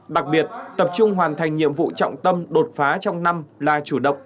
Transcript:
đặc biệt tập trung hoàn thành nhiệm vụ trọng tâm đột phá trong năm là chủ động